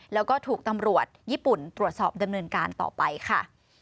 แล้วก็ถูกตำรวจญี่ปุ่นตรวจสอบดำเนินการต่อไปค่ะ